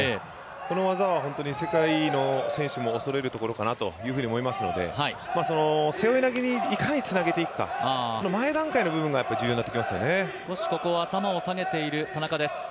この技は本当に世界の選手も恐れるところかなと思いますので、背負い投げにいかにつなげていくか、その前段階が重要になってきますね。